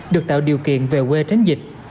được tạo điều kiện về quê tránh dịch